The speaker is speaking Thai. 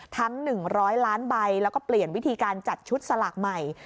๑๐๐ล้านใบแล้วก็เปลี่ยนวิธีการจัดชุดสลากใหม่